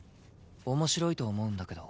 面白いと思うんだけど。